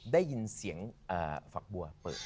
ได้ยินเสียงฝักบัวเปิด